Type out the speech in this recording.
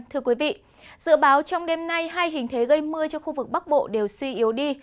thưa quý vị dự báo trong đêm nay hai hình thế gây mưa cho khu vực bắc bộ đều suy yếu đi